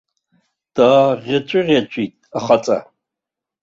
Дааӷьаҵәыӷьаҵәит ахаҵа.